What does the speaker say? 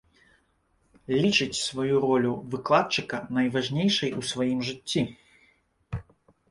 Лічыць сваю ролю выкладчыка найважнейшай у сваім жыцці.